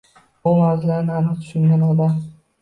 Bu mavzularni aniq tushungan odam